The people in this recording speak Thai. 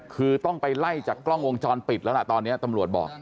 คือต้องไปไล่จากกล้องวงจรปิดแล้วล่ะตอนนี้ตำรวจบอก